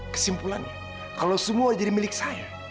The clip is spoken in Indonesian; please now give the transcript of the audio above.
kesimpulan kalau semua jadi milik saya